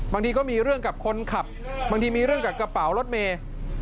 บางทีก็มีเรื่องกับคนขับบางทีมีเรื่องกับกระเป๋ารถเมย์